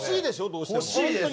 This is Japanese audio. どうしても。